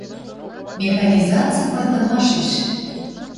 «Механизаци пыртымашеш